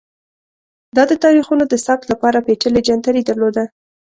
دا د تاریخونو د ثبت لپاره پېچلی جنتري درلوده